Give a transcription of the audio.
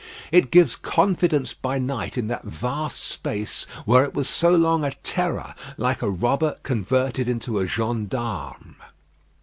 It gives confidence by night in that vast space where it was so long a terror like a robber converted into a gendarme.